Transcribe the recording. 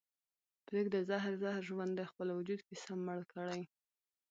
پرېږده زهر زهر ژوند دې خپل وجود کې سم مړ کړي